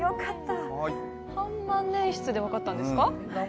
半万年筆で分かったんですか？